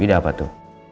ide apa tuh